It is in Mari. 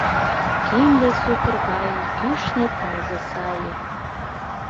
Кинде сукыр гае кӱшнӧ тылзе сае.